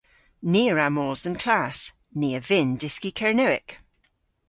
Ni a wra mos dhe'n klass. Ni a vynn dyski Kernewek.